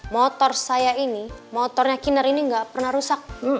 motor saya ini motornya kinar ini gak pernah rusak